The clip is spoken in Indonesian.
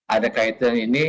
ada kaitan ini